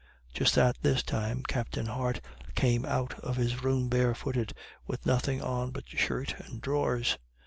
Just at this time, Captain Hart came out of his room, barefooted, with nothing on but shirt and drawers.